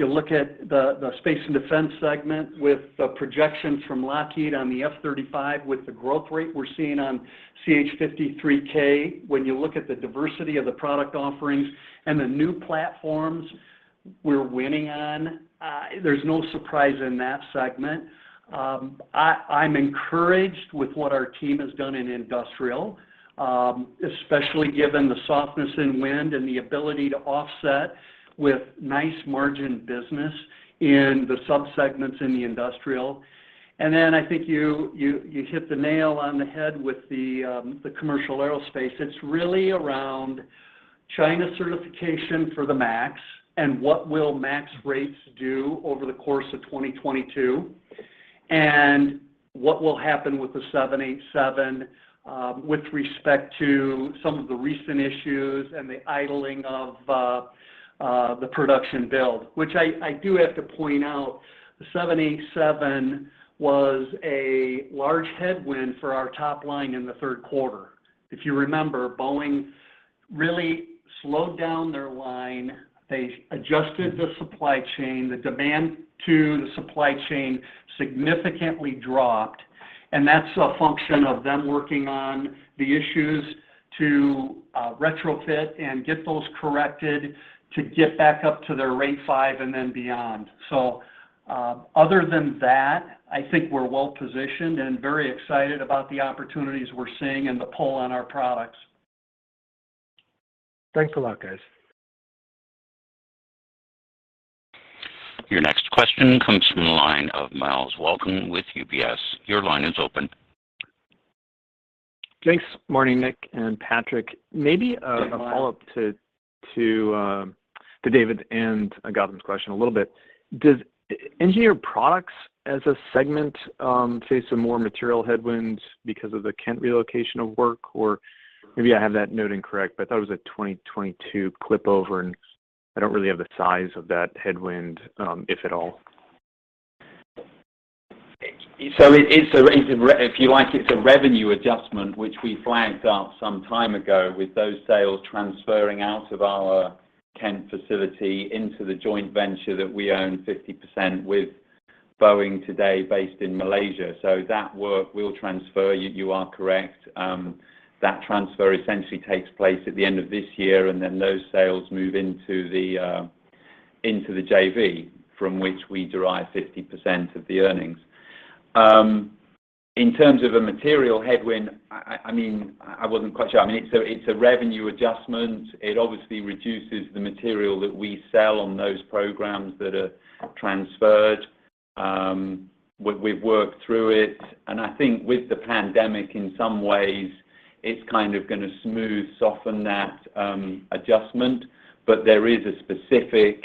you look at the Space and Defense segment with the projections from Lockheed on the F-35, with the growth rate we're seeing on CH-53K, when you look at the diversity of the product offerings and the new platforms we're winning on, there's no surprise in that segment. I'm encouraged with what our team has done in Industrial, especially given the softness in wind and the ability to offset with nice margin business in the sub-segments in the Industrial. I think you hit the nail on the head with the Commercial Aerospace. It's really around China certification for the MAX, and what will MAX rates do over the course of 2022. What will happen with the 787, with respect to some of the recent issues and the idling of the production build. I do have to point out, the 787 was a large headwind for our top line in the third quarter. If you remember, Boeing really slowed down their line. They adjusted the supply chain. The demand to the supply chain significantly dropped, and that's a function of them working on the issues to retrofit and get those corrected to get back up to their rate five and then beyond. Other than that, I think we're well-positioned and very excited about the opportunities we're seeing and the pull on our products. Thanks a lot, guys. Your next question comes from the line of Myles Walton with UBS. Your line is open. Thanks. Morning, Nick and Patrick. Good morning. Maybe a follow-up to David and Gautam's question a little bit. Does Engineered Products as a segment face some more material headwinds because of the Kent relocation of work? Maybe I have that note incorrect, but I thought it was a 2022 cutover, and I don't really have the size of that headwind, if at all. If you like, it's a revenue adjustment which we flagged up some time ago with those sales transferring out of our Kent facility into the joint venture that we own 50% with Boeing today based in Malaysia. That work will transfer, you are correct. That transfer essentially takes place at the end of this year, and then those sales move into the JV, from which we derive 50% of the earnings. In terms of a material headwind, I wasn't quite sure. It's a revenue adjustment. It obviously reduces the material that we sell on those programs that are transferred. We've worked through it, and I think with the pandemic, in some ways, it's kind of going to smooth, soften that adjustment. There is a specific,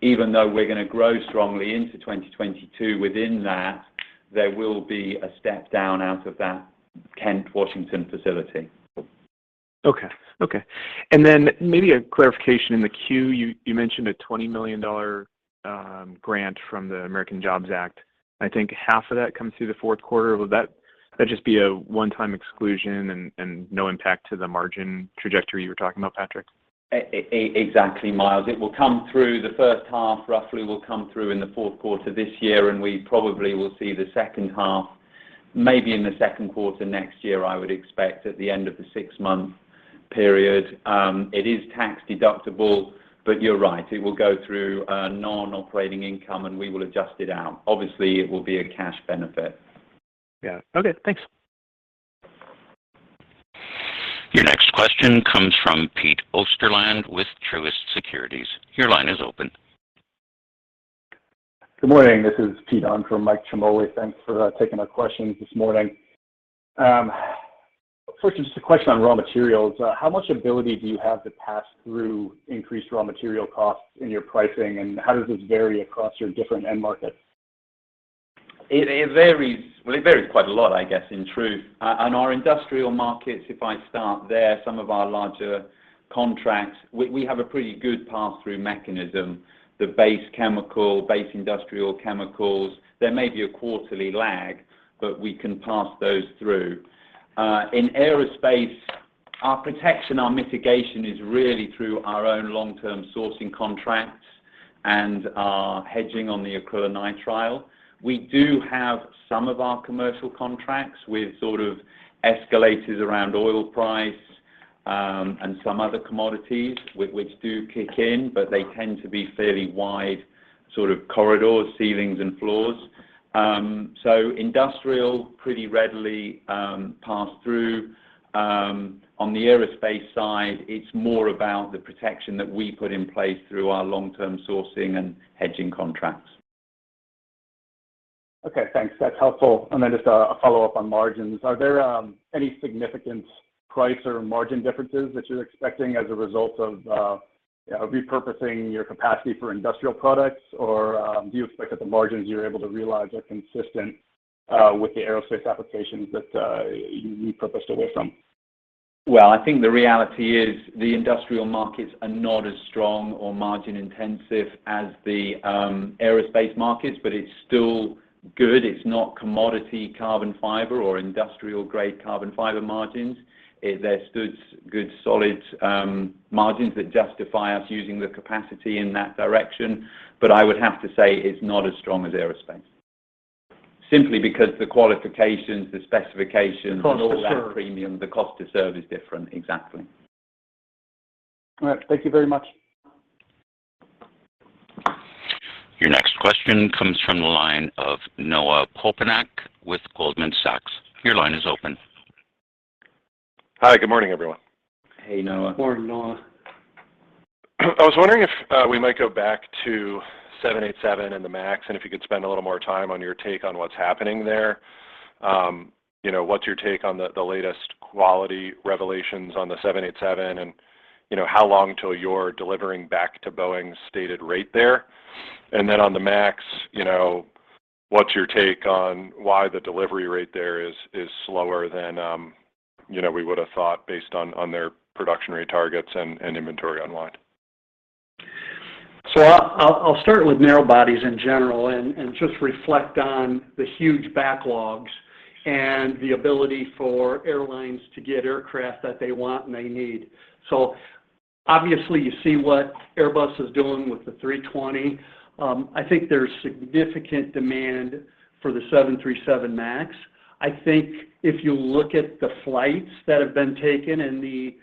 even though we're going to grow strongly into 2022 within that, there will be a step down out of that Kent, Washington facility. Okay. Maybe a clarification. In the Q, you mentioned a $20 million grant from the American Jobs Plan. I think half of that comes through the fourth quarter. Will that just be a one-time exclusion and no impact to the margin trajectory you were talking about, Patrick? Exactly, Myles. It will come through the first half, roughly will come through in the fourth quarter this year, and we probably will see the second half maybe in the second quarter next year, I would expect, at the end of the six-month period. It is tax deductible. You're right, it will go through non-operating income, and we will adjust it out. Obviously, it will be a cash benefit. Yeah. Okay, thanks. Your next question comes from Peter Osterland with Truist Securities. Your line is open. Good morning. This is Peter Osterland, on for Michael Ciarmoli. Thanks for taking our questions this morning. First is just a question on raw materials. How much ability do you have to pass through increased raw material costs in your pricing, and how does this vary across your different end markets? It varies quite a lot, I guess, in truth. On our industrial markets, if I start there, some of our larger contracts, we have a pretty good pass-through mechanism. The base chemical, base industrial chemicals, there may be a quarterly lag, but we can pass those through. In aerospace, our protection, our mitigation is really through our own long-term sourcing contracts and our hedging on the acrylonitrile. We do have some of our commercial contracts with sort of escalators around oil price and some other commodities which do kick in, but they tend to be fairly wide sort of corridor ceilings and floors. Industrial pretty readily pass through. On the aerospace side, it's more about the protection that we put in place through our long-term sourcing and hedging contracts. Okay, thanks. That's helpful. Just a follow-up on margins. Are there any significant price or margin differences that you're expecting as a result of repurposing your capacity for industrial products? Do you expect that the margins you're able to realize are consistent with the aerospace applications that you repurposed away from? Well, I think the reality is the industrial markets are not as strong or margin-intensive as the aerospace markets, but it's still good. It's not commodity carbon fiber or industrial-grade carbon fiber margins. They're good, solid margins that justify us using the capacity in that direction. I would have to say it's not as strong as aerospace. The cost to serve. Simply because the qualification, specification all that premium, the cost to serve is different exactly. All right. Thank you very much. Your next question comes from the line of Noah Poponak with Goldman Sachs. Your line is open. Hi, good morning, everyone. Hey, Noah. Good morning, Noah. I was wondering if we might go back to 787 and the MAX, and if you could spend a little more time on your take on what's happening there. What's your take on the latest quality revelations on the 787, and how long till you're delivering back to Boeing's stated rate there? Then on the MAX, what's your take on why the delivery rate there is slower than we would've thought based on their production rate targets and inventory on lot. I'll start with narrow bodies in general and just reflect on the huge backlogs and the ability for airlines to get aircraft that they want and they need. Obviously you see what Airbus is doing with the 320. I think there's significant demand for the 737 MAX. I think if you look at the flights that have been taken and the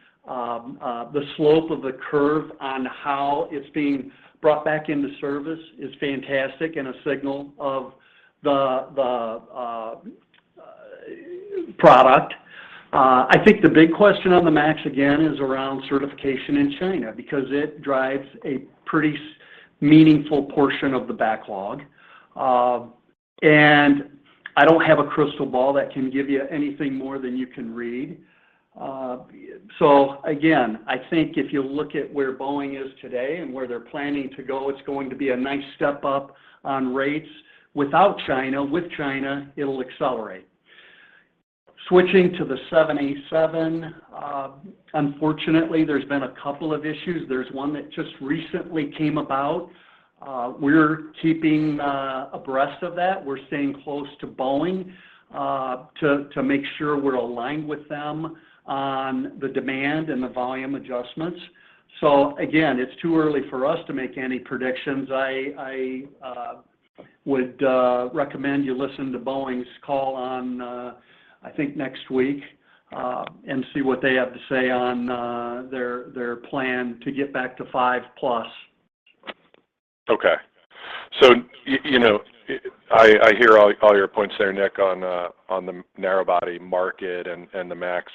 slope of the curve on how it's being brought back into service is fantastic and a signal of the product. I think the big question on the MAX again is around certification in China, because it drives a pretty meaningful portion of the backlog. I don't have a crystal ball that can give you anything more than you can read. Again, I think if you look at where Boeing is today and where they're planning to go, it's going to be a nice step up on rates without China. With China, it'll accelerate. Switching to the 787, unfortunately there's been a couple of issues. There's one that just recently came about. We're keeping abreast of that. We're staying close to Boeing to make sure we're aligned with them on the demand and the volume adjustments. Again, it's too early for us to make any predictions. I would recommend you listen to Boeing's call on, I think next week, and see what they have to say on their plan to get back to 5+. Okay. I hear all your points there, Nick, on the narrow body market and the MAX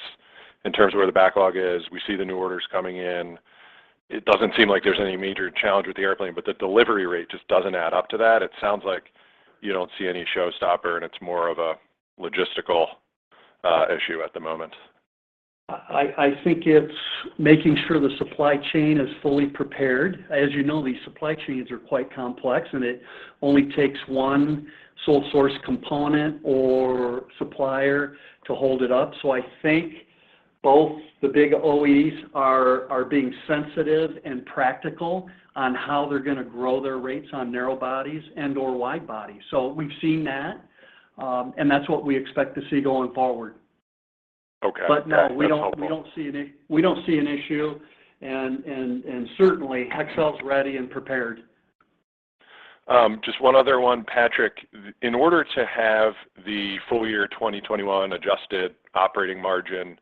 in terms of where the backlog is. We see the new orders coming in. It doesn't seem like there's any major challenge with the airplane, but the delivery rate just doesn't add up to that. It sounds like you don't see any showstopper, and it's more of a logistical issue at the moment. I think it's making sure the supply chain is fully prepared. As you know, these supply chains are quite complex, and it only takes one sole source component or supplier to hold it up. I think both the big OEs are being sensitive and practical on how they're going to grow their rates on narrow bodies and/or wide bodies. We've seen that, and that's what we expect to see going forward. Okay. That's helpful. No, we don't see an issue. Certainly Hexcel's ready and prepared. Just one other one. Patrick, in order to have the full year 2021 adjusted operating margin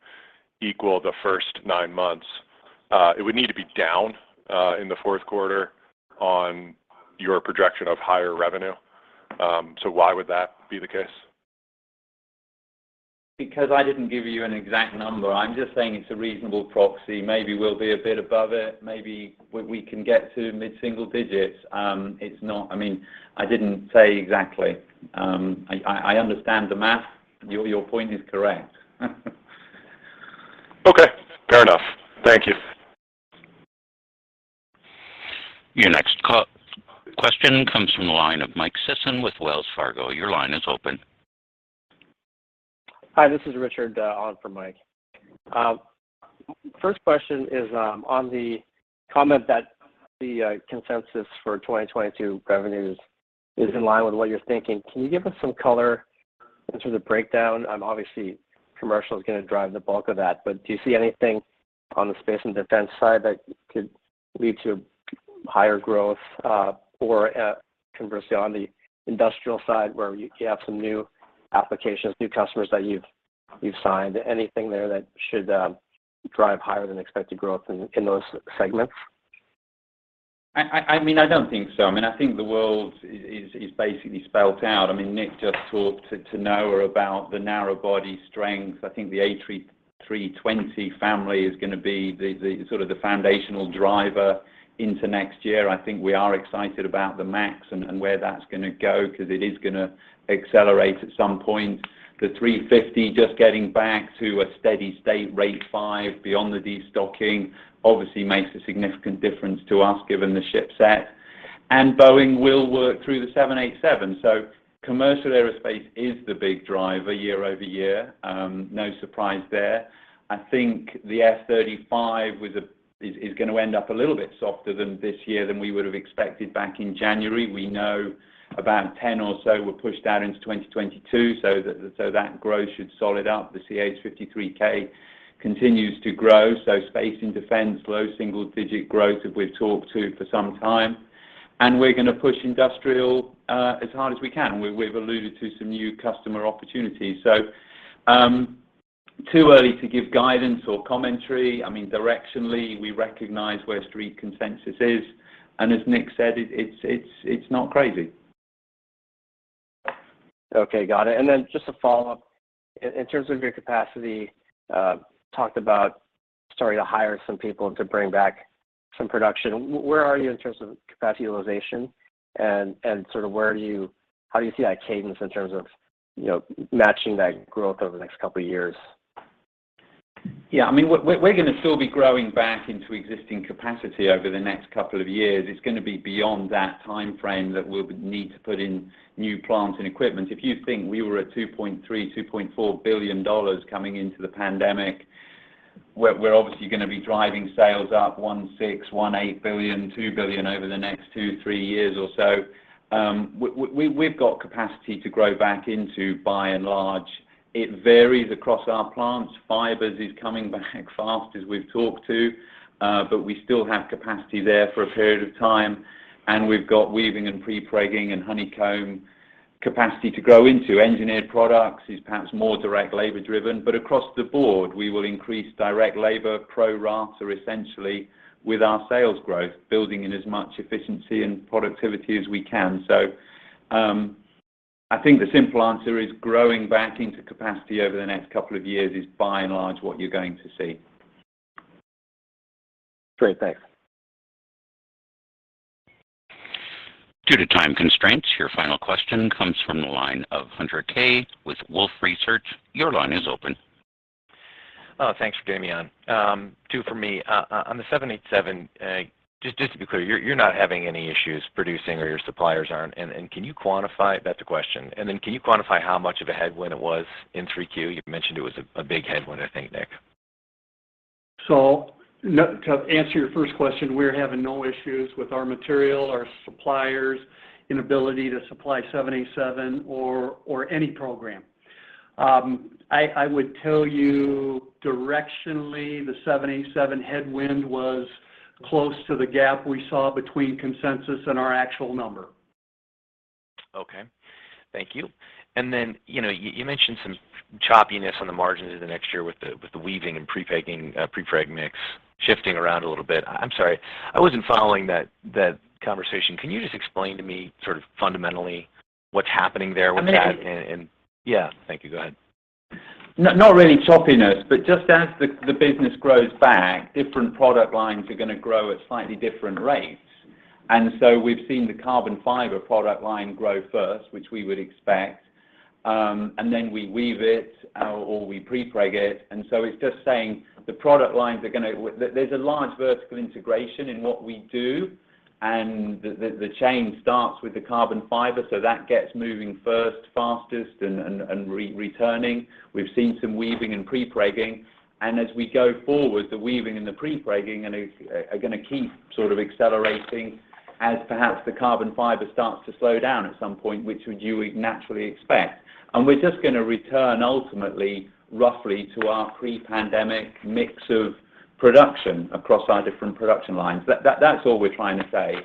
equal the first nine months, it would need to be down in the fourth quarter on your projection of higher revenue. Why would that be the case? I didn't give you an exact number. I'm just saying it's a reasonable proxy. Maybe we'll be a bit above it. Maybe we can get to mid-single digits. I didn't say exactly. I understand the math. Your point is correct. Okay. Fair enough. Thank you. Your next question comes from the line of Michael Sison with Wells Fargo. Your line is open. Hi, this is Richard on for Mike. First question is on the comment that the consensus for 2022 revenues is in line with what you're thinking. Can you give us some color in terms of breakdown? Obviously commercial is going to drive the bulk of that. Do you see anything on the space and defense side that could lead to higher growth, or conversely, on the industrial side, where you have some new applications, new customers that you've signed. Anything there that should drive higher than expected growth in those segments? I don't think so. I think the world is basically spelled out. Nick just talked to Noah about the narrow body strengths. I think the A320 family is going to be the foundational driver into next year. I think we are excited about the MAX and where that's going to go because it is going to accelerate at some point. The A350, just getting back to a steady state Rate 5 beyond the de-stocking obviously makes a significant difference to us given the ship set. Boeing will work through the 787. Commercial aerospace is the big driver year-over-year. No surprise there. I think the F-35 is going to end up a little bit softer than this year than we would've expected back in January. We know about 10 or so were pushed out into 2022, so that growth should solid up. The CH-53K continues to grow. Space and defense, low single digit growth as we've talked to for some time. We're going to push industrial as hard as we can. We've alluded to some new customer opportunities. Too early to give guidance or commentary. Directionally, we recognize where street consensus is, and as Nick said, it's not crazy. Okay, got it. Just a follow-up. In terms of your capacity, talked about starting to hire some people to bring back some production. Where are you in terms of capacity utilization and how do you see that cadence in terms of matching that growth over the next couple of years? We're going to still be growing back into existing capacity over the next couple of years. It's going to be beyond that timeframe that we'll need to put in new plant and equipment. If you think we were at $2.3 billion-$2.4 billion coming into the pandemic, we're obviously going to be driving sales up $1.6 billion, $1.8 billion, $2 billion over the next two, three years or so. We've got capacity to grow back into, by and large. It varies across our plants. Fibers is coming back fast as we've talked to, but we still have capacity there for a period of time, and we've got weaving and prepregging and honeycomb capacity to grow into. Engineered products is perhaps more direct labor-driven. Across the board, we will increase direct labor pro rata, essentially with our sales growth, building in as much efficiency and productivity as we can. I think the simple answer is growing back into capacity over the next couple of years is by and large what you're going to see. Great, thanks. Due to time constraints, your final question comes from the line of Hunter Keay with Wolfe Research. Your line is open. Thanks for. Two for me. On the 787, just to be clear, you're not having any issues producing or your suppliers aren't? Can you quantify? That's a question. Can you quantify how much of a headwind it was in 3Q? You mentioned it was a big headwind, I think, Nick. To answer your first question, we're having no issues with our material, our suppliers inability to supply 787 or any program. I would tell you directionally, the 787 headwind was close to the gap we saw between consensus and our actual number. Okay. Thank you. You mentioned some choppiness on the margins into next year with the weaving and prepreg mix shifting around a little bit. I'm sorry. I wasn't following that conversation. Can you just explain to me fundamentally what's happening there with that? I mean. Yeah. Thank you. Go ahead. Not really choppiness, but just as the business grows back, different product lines are going to grow at slightly different rates. We've seen the carbon fiber product line grow first, which we would expect. Weave it, or we prepreg it. There's a large vertical integration in what we do, and the chain starts with the carbon fiber, so that gets moving first, fastest, and returning. We've seen some weaving and prepregging, and as we go forward, the weaving and the prepregging are going to keep accelerating as perhaps the carbon fiber starts to slow down at some point, which you would naturally expect. We're just going to return ultimately, roughly, to our pre-pandemic mix of production across our different production lines. That's all we're trying to say.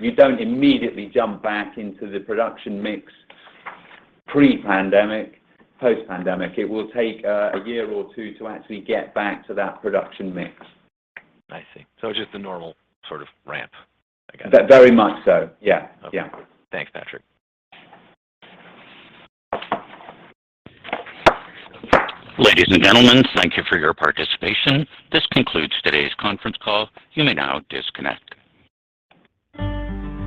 You don't immediately jump back into the production mix pre-pandemic, post-pandemic. It will take a year or two to actually get back to that production mix. I see. It's just the normal sort of ramp, I guess. Very much so. Yeah. Okay. Yeah. Thanks, Patrick. Ladies and gentlemen, thank you for your participation. This concludes today's conference call. You may now disconnect.